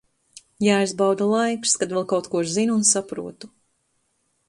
Jāizbauda laiks, kad vēl kaut ko zinu un saprotu.